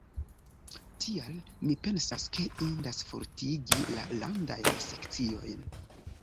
Tial, mi pensas ke indas fortigi la landajn sekciojn.